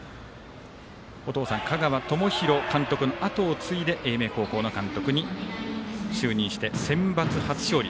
お父さんのあとを継いで英明高校の監督に就任して、センバツ初勝利。